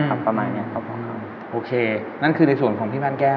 โอเคนั่นคือในส่วนของพี่ม่านแก้ว